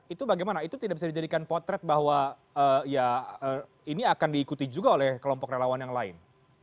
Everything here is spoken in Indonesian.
itu bagaimana itu tidak bisa dijadikan potret bahwa ya ini akan diikuti juga oleh kelompok relawan yang lain